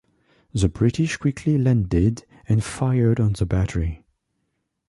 The British quickly landed and fired on the battery.